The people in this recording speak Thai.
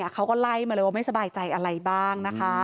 เขาก็ไล่มาเลยว่าไม่สบายใจอะไรบ้างนะคะ